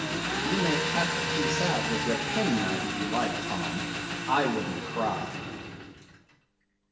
'You may cut the piece out with your penknife if you like, Tom. I wouldn't cry!